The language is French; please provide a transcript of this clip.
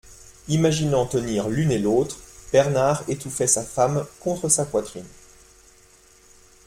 Imaginant tenir l'une et l'autre, Bernard étouffait sa femme contre sa poitrine.